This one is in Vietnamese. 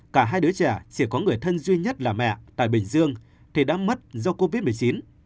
cả hai đứa trẻ chỉ có người thân duy nhất là mẹ tại bình dương thì đã mất do covid một mươi chín